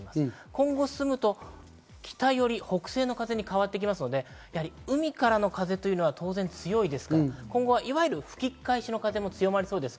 今後、進むと北より北西の風に変わってきますので海からの風というのは当然強いですから、今後はいわゆる吹き返しの風も強まりそうです。